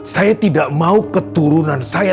saya tidak mau keturunan saya